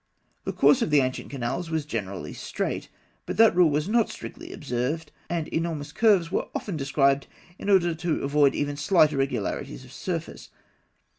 The course of the ancient canals was generally straight: but that rule was not strictly observed, and enormous curves were often described in order to avoid even slight irregularities of surface.